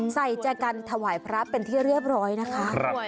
แจกันถวายพระเป็นที่เรียบร้อยนะคะ